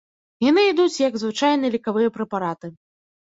Яны ідуць як звычайныя лекавыя прэпараты.